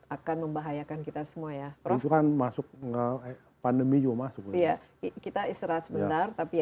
akan membahayakan kita semua ya prof itu kan masuk pandemi juga masuk ya kita istirahat sebentar tapi